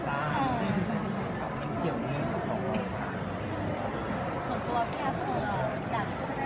จะได้คนดูนะคะและเข้ารับหาแรงบันดาลใจ